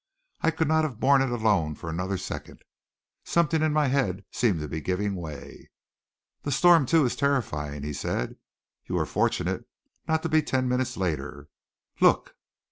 I could not have borne it alone for another second. Something in my head seemed to be giving way." "The storm, too, is terrifying," he said. "You were fortunate not to be ten minutes later. Look!"